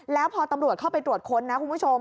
แล้วพอตำรวจเข้าไปตรวจค้นนะคุณผู้ชม